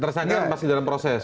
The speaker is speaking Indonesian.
tersangka masih dalam proses